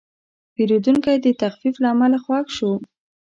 پیرودونکی د تخفیف له امله خوښ شو.